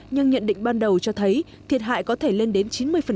nhưng nhận định ban đầu cho thấy thiệt hại có thể lên đến chín mươi